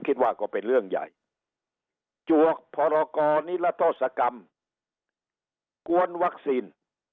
คิดว่าก็เป็นเรื่องใหญ่จวกพรกรนิรโทษกรรมกวนวัคซีน